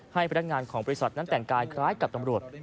พนักงานของบริษัทนั้นแต่งกายคล้ายกับตำรวจ